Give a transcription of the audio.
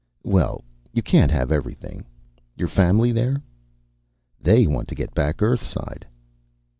"Well, you can't have everything. Your family there?" "They want to get back Earthside."